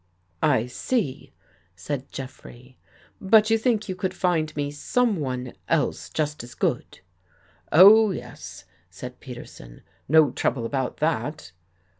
" I see," said Jeffrey. " But you think you could find me someone else just as good?" " Oh, yes," said Peterson. " No trouble about that."